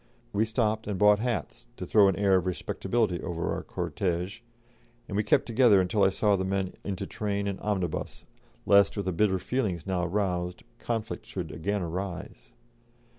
We stopped and bought hats, to throw an air of respectability over our cortège, and we kept together until I saw the men into train and omnibus, lest, with the bitter feelings now roused, conflict should again arise.